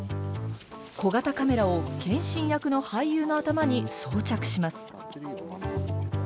小型カメラを謙信役の俳優の頭に装着します。